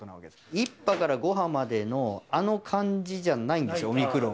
１波から５波までの、あの感じじゃないんですよ、オミクロン。